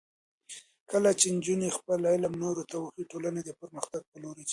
کله چې نجونې خپل علم نورو ته وښيي، ټولنه د پرمختګ په لور ځي.